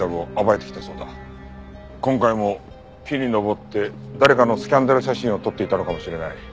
今回も木に登って誰かのスキャンダル写真を撮っていたのかもしれない。